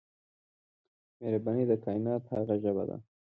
مهرباني د کائنات هغه ژبه ده.